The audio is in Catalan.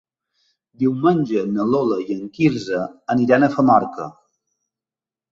Diumenge na Lola i en Quirze aniran a Famorca.